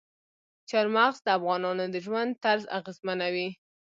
چار مغز د افغانانو د ژوند طرز اغېزمنوي.